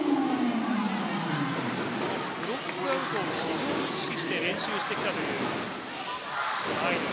ブロックアウトを非常に練習してきたというアイドゥン。